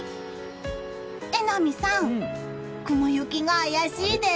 榎並さん、雲行きが怪しいです。